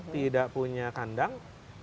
tidak punya kandang